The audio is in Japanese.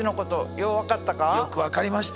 よく分かりました。